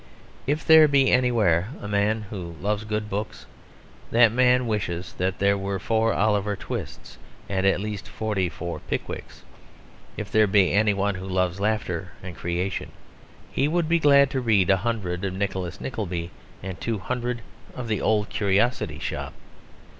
If there be anywhere a man who loves good books, that man wishes that there were four Oliver Twists and at least forty four Pickwicks. If there be any one who loves laughter and creation, he would be glad to read a hundred of Nicholas Nickleby and two hundred of The Old Curiosity Shop.